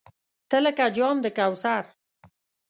تۀ لکه جام د کوثر !